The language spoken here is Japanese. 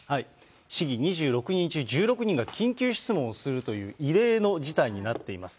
市議２６人中、１６人が緊急質問をするという異例の事態になっています。